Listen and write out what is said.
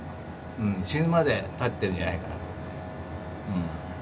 死ぬまで立ってるんじゃないかなうん。